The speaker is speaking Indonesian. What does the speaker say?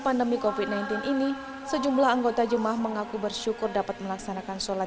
pandemi kofit sembilan belas ini sejumlah anggota jemaah mengaku bersyukur dapat melaksanakan sholat